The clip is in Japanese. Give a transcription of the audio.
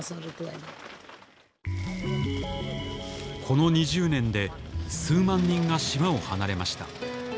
この２０年で数万人が島を離れました